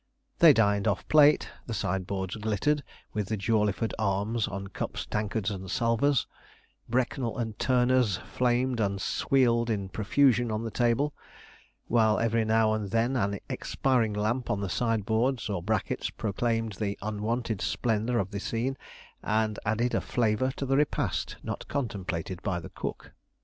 They dined off plate; the sideboards glittered with the Jawleyford arms on cups, tankards, and salvers; 'Brecknel and Turner's' flamed and swealed in profusion on the table; while every now and then an expiring lamp on the sideboards or brackets proclaimed the unwonted splendour of the scene, and added a flavour to the repast not contemplated by the cook.